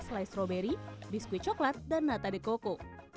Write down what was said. selai stroberi biskuit coklat dan nata de coco